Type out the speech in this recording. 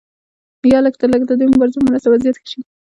یا لږترلږه د دې مبارزې په مرسته وضعیت ښه شي.